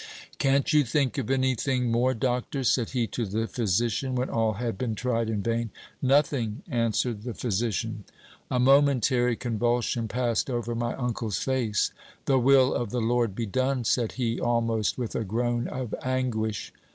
"Can't you think of any thing more, doctor?" said he to the physician, when all had been tried in vain. "Nothing," answered the physician. A momentary convulsion passed over my uncle's face. "The will of the Lord be done," said he, almost with a groan of anguish.